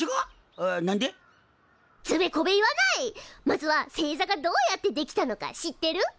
まずは星座がどうやって出来たのか知ってる？